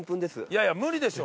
いやいや無理でしょ。